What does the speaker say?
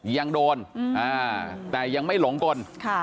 ยังโดนแต่ยังไม่หลงกล